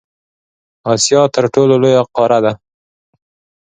اسیا تر ټولو لویه قاره ده.